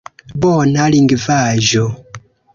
Bona lingvaĵo.